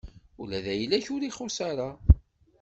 Ula d ayla-k ur ixuṣṣ ara.